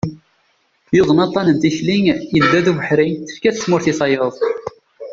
Yuḍen aṭan n tikli, yedda d ubeḥri, tefka-t tmurt i tayeḍ.